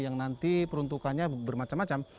yang nanti peruntukannya bermacam macam